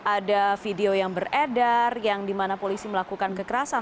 ada video yang beredar yang dimana polisi melakukan kekerasan